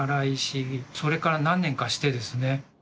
それから何年かしてですね